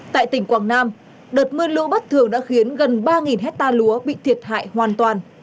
trong vấn đề quảng nam đợt mưa lũ bất thường đã khiến gần ba hecta lúa bị thiệt hại hoàn toàn